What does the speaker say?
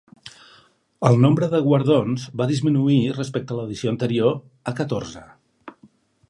El nombre de guardons va disminuir respecte a l'edició anterior a catorze.